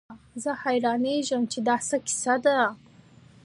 زه حيرانېږم چې دا څه کيسه ده.